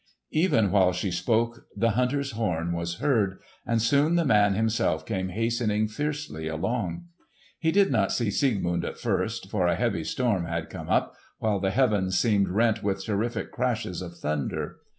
Even while she spoke the hunter's horn was heard, and soon the man himself came hastening fiercely along. He did not see Siegmund at first, for a heavy storm had come up, while the heavens seemed rent with terrific crashes of thunder.